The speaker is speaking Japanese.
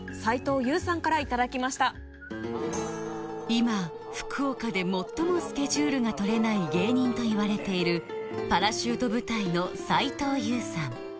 今福岡で最もスケジュールが取れない芸人といわれているパラシュート部隊の斉藤優さん